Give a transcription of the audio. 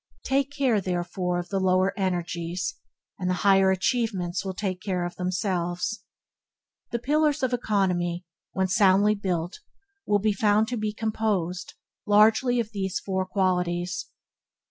Take care, therefore, of the lower energies, and the higher achievements will take care of themselves. The Pillar of Economy, when soundly built, will be found to be composed largely of these four qualities: 1.